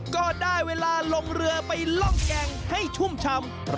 ก็ได้เวลาลงเรือไปล่องแก่งให้ชุ่มชำ